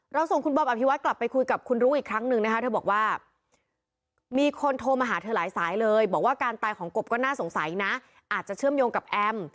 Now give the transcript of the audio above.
ส่งคุณบอมอภิวัตกลับไปคุยกับคุณรู้อีกครั้งหนึ่งนะคะเธอบอกว่ามีคนโทรมาหาเธอหลายสายเลยบอกว่าการตายของกบก็น่าสงสัยนะอาจจะเชื่อมโยงกับแอม